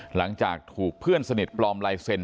หลังจากถูกเพื่อนสนิทปลอมลายเซ็น